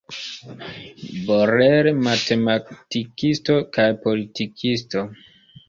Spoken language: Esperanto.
Borel, matematikisto kaj politikisto.